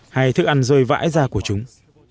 hay thức ăn rơi vãi ra của chúng